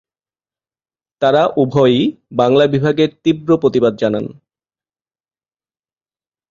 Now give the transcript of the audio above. তাঁরা উভয়েই বাংলা বিভাগের তীব্র প্রতিবাদ জানান।